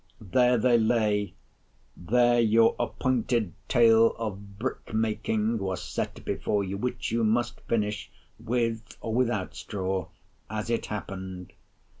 There they lay; there your appointed tale of brick making was set before you, which you must finish, with or without straw, as it happened.